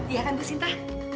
iya kan bu sinta